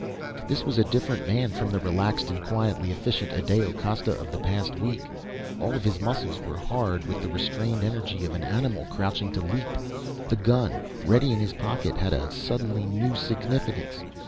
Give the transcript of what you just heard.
This was a different man from the relaxed and quietly efficient Adao Costa of the past week. All of his muscles were hard with the restrained energy of an animal crouching to leap. The gun, ready in his pocket, had a suddenly new significance.